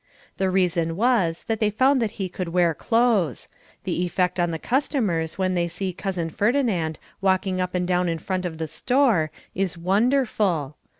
The reason was that they found that he could wear clothes; the effect on the customers when they see Cousin Ferdinand walking up and down in front of the store is wonderful.